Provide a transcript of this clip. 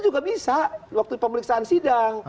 juga bisa waktu pemeriksaan sidang